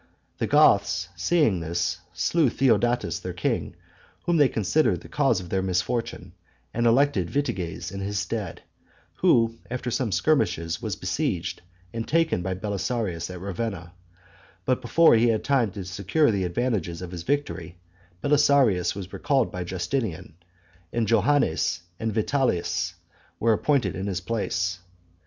The Goths, seeing this, slew Theodatus their king, whom they considered the cause of their misfortune, and elected Vitiges in his stead, who, after some skirmishes, was besieged and taken by Belisarius at Ravenna; but before he had time to secure the advantages of his victory, Belisarius was recalled by Justinian, and Joannes and Vitalis were appointed in his place.